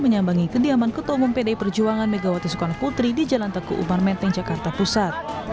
menyambangi kediaman ketua umum pdi perjuangan megawati soekarno putri di jalan teguh umar menteng jakarta pusat